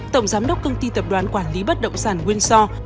tổng giám đốc công ty tập đoàn quản lý bất động sản windsor